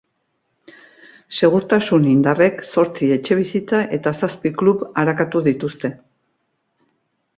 Segurtasun indarrek zortzi etxebizitza eta zazpi klub arakatu dituzte.